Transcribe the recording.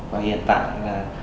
và hiện tại là